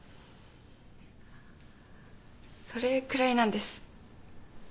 それくらいなんです